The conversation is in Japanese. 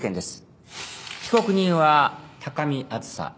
被告人は高見梓。